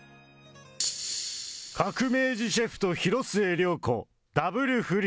革命児シェフと広末涼子ダブル不倫。